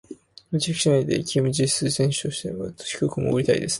密着しないでキム・ジス選手としては低く潜りたいですね。